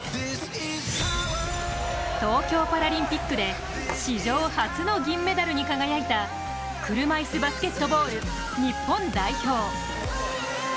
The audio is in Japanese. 東京パラリンピックで史上初の銀メダルに輝いた車いすバスケットボール日本代表。